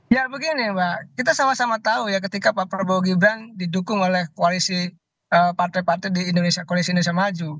ya begini mbak kita sama sama tahu ya ketika pak prabowo gibran didukung oleh koalisi partai partai di indonesia koalisi indonesia maju